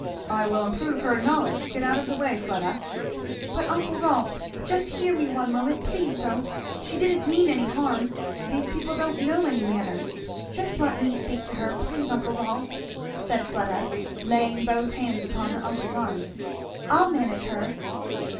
"I will improve her knowledge get out the way, Fleda." "But uncle Rolf, just hear me one moment please don't! she didn't mean any harm these people don't know any manners just let me speak to her, please uncle Rolf! " said Fleda laying both hands upon her uncle's arms, "I'll manage her."